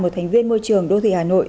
một thành viên môi trường đô thị hà nội